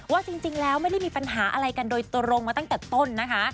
ว่าจริงแล้วไม่ได้มีปัญหาอะไรกันโดยตรงมาตั้งแต่ต้นนะคะ